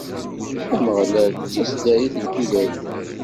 Ameɣlal d taseddarit n tudert-iw.